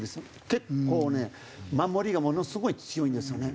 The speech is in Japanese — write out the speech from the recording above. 結構ね守りがものすごい強いんですよね。